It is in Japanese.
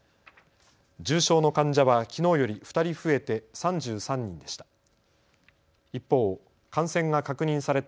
重症の患者はきのうより２人増えて３３人でした。